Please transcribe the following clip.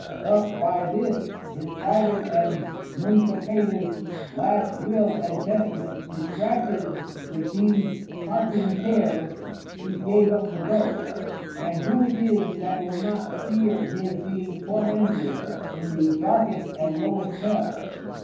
Thus by this his private and Nuncupative last Will and Testament distracted with these carking cares, he gave up the Ghost: And who is it that will not fear his being tormented in the darkest and lowest Hell?